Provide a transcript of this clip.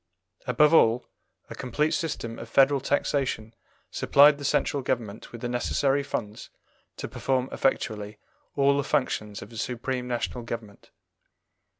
Above all, a complete system of federal taxation supplied the Central Government with the necessary funds to perform effectually all the functions of a supreme national government.